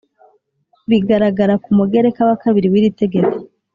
bigaragara ku mugereka wa kabiri w iri tegeko